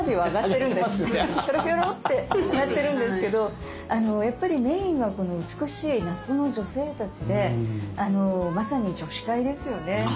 ひょろひょろって上がってるんですけどやっぱりメインはこの美しい夏の女性たちでまさに女子会ですよね。